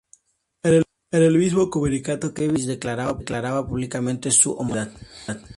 En el mismo comunicado, Kevin Spacey declaraba públicamente su homosexualidad.